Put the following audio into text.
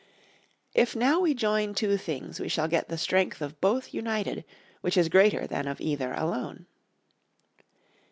If now we join two things we shall get the strength of both united, which is greater than of either alone.